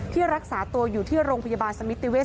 ที่รักษาตัวอยู่ที่โรงพยาบาลสมิติวิทย์